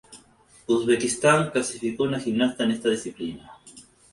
Uzbekistán clasificó una gimnasta en esta disciplina.